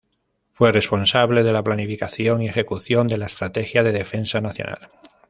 Fue responsable de la planificación y ejecución de la estrategia de defensa nacional.